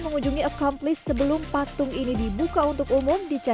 mengunjungi accomplice sebelumnya